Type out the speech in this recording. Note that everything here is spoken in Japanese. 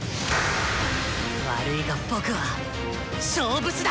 悪いが僕は勝負師だ！